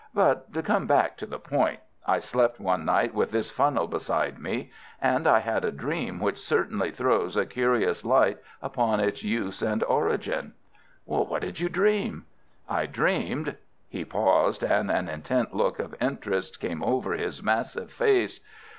But to come back to the point, I slept one night with this funnel beside me, and I had a dream which certainly throws a curious light upon its use and origin." "What did you dream?" "I dreamed—" He paused, and an intent look of interest came over his massive face.